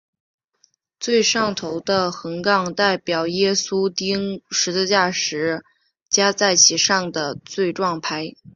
最上头的横杠代表耶稣钉十字架时加在其上的罪状牌。